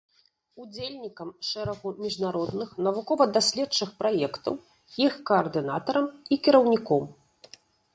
Удзельнікам шэрагу міжнародных навукова-даследчых праектаў, іх каардынатарам і кіраўніком.